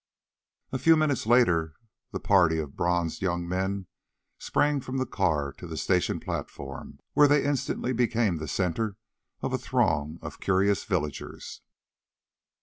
A few minutes later the party of bronzed young men sprang from the car to the station platform, where they instantly became the center of a throng of curious villagers.